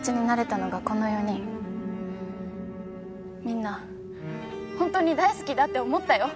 みんな本当に大好きだって思ったよ。